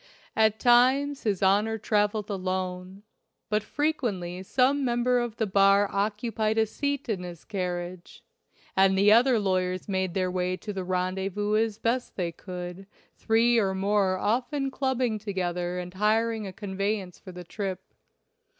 At times his Honor traveled alone, but frequently some member of the bar occupied a seat in his carriage, and the other lawyers made their way to the rendezvous as best they could, three or more often clubbing together and hiring a con veyance for the trip.